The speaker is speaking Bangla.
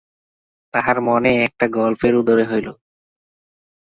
তাঁহার মনে একটা গল্পের উদয় হইল।